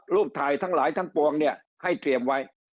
รูปถ่ายทั้งหลายทั้งปวงเนี่ยให้เตรียมไว้